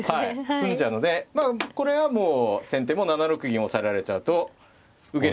詰んじゃうのでこれはもう先手も７六銀押さえられちゃうと受けるしかないんですが。